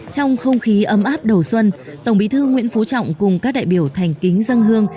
trong không khí ấm áp đầu xuân tổng bí thư nguyễn phú trọng cùng các đại biểu thành kính dân hương